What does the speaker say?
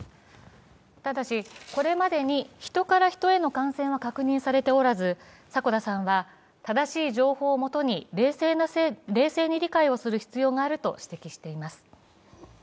ただし、これまでにヒトからヒトへの感染は確認されておらず、迫田さんは、正しい情報をもとに冷静に理解する必要があると指摘しています。